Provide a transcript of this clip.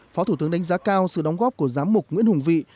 phó thủ tướng đánh giá cao sự đóng góp của giám mục nguyễn hùng vị